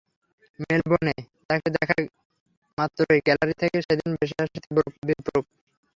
মেলবোর্নে তাঁকে দেখা মাত্রই গ্যালারি থেকে সেদিন ভেসে আসে তীব্র বিদ্রূপ।